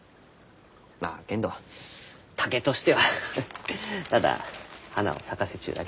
まあけんど竹としてはただ花を咲かせちゅうだけじゃけんど。